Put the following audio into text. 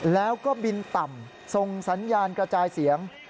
แล้วก็บินต่ำส่งสัญญาณกระจายเสียง